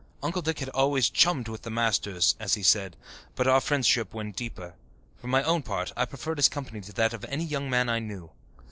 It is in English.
Uncle Dick had always "chummed with the masters," as he said, but our friendship went deeper. For my own part, I preferred his company to that of any young man I knew.